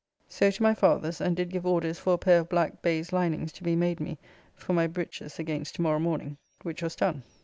So to my father's, and did give orders for a pair of black baize linings to be made me for my breeches against to morrow morning, which was done.